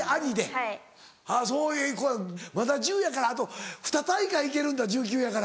まだ１０やからあと２大会行けるんだ１９やから。